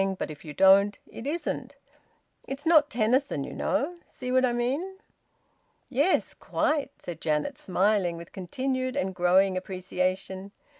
But if you don't, it isn't. It's not Tennyson, you know. See what I mean?" "Yes, quite!" said Janet, smiling with continued and growing appreciation.